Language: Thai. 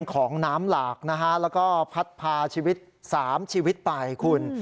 ของน้ำหลากนะฮะแล้วก็พัดพาชีวิต๓ชีวิตไปคุณ